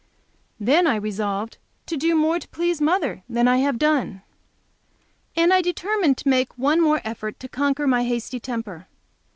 Then I resolved to do more to please mother than I have done. And I determined to make one more effort to conquer my hasty temper.